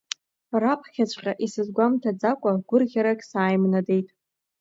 Раԥхьаҵәҟьа исызгәамҭаӡакәа гәырӷьарак сааимнадеит.